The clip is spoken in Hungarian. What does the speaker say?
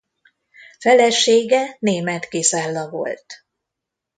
Felesége Német Gizella volt.